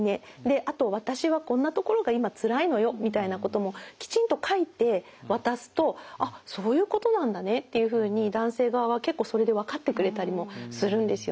あと私はこんなところが今つらいのよみたいなこともきちんと書いて渡すとあっそういうことなんだねっていうふうに男性側は結構それで分かってくれたりもするんですよね。